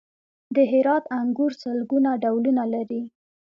د هرات انګور سلګونه ډولونه لري.